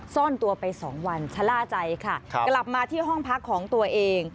ซ่อนตัวไปสองวันชะล่าใจค่ะกลับมาที่ห้องพักของตัวเอง